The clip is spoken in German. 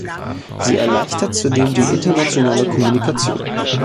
Sie erleichtert zudem die internationale Kommunikation.